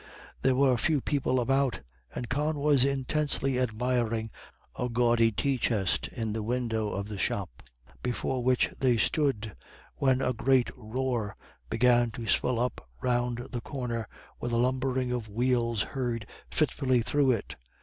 There were few people about, and Con was intensely admiring a gaudy tea chest in the window of the shop before which they stood, when a great roar began to swell up round the corner, with a lumbering of wheels heard fitfully through it.